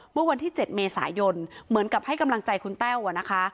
เมื่อวันที่๗เมษายนเหมือนกับให้กำลังใจคุณแต้วนะคะ